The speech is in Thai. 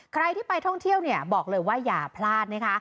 ใครที่ไปท่องเที่ยวเนี่ยบอกเลยว่าอย่าพลาดนะคะ